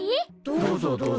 どうぞどうぞ。